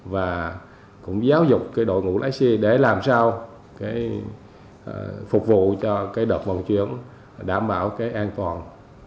và cũng giáo dục cái đội ngũ lái xe để làm sao phục vụ cho cái đợt vòng chuyến đảm bảo cái an toàn